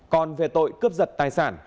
còn về tội cướp giật tài sản